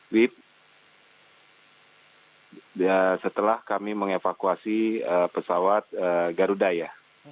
wib setelah kami mengevakuasi pesawat garuda ya